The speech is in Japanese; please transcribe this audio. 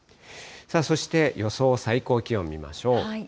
そして、予想最高気温見ましょう。